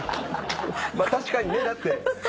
まあ確かにねだって。